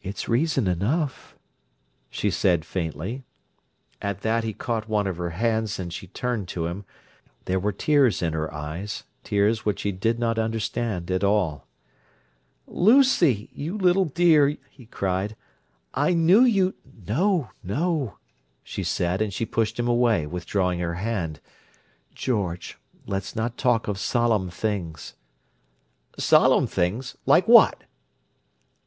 "It's—it's reason enough," she said faintly. At that he caught one of her hands, and she turned to him: there were tears in her eyes, tears which he did not understand at all. "Lucy, you little dear!" he cried. "I knew you—" "No, no!" she said, and she pushed him away, withdrawing her hand. "George, let's not talk of solemn things." "'Solemn things!' Like what?"